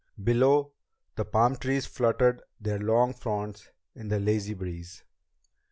Below, the palm trees fluttered their long fronds in the lazy breeze.